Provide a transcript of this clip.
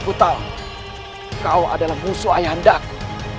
kau tahu kau adalah musuh ayah andaku